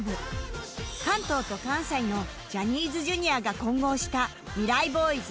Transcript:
関東と関西のジャニーズ Ｊｒ． が混合したミライ Ｂｏｙｓ